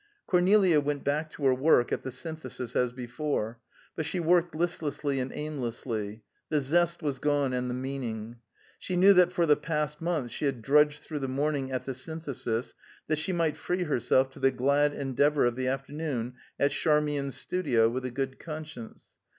Cornelia went hack to her work at the Synthesis as before, but she worked listlessly and aimlessly; the zest was gone, and the meaning. She knew that for the past month she had drudged through the morning at the Synthesis that she might free herself to the glad endeavor of the afternoon at Charmian's studio with a good conscience.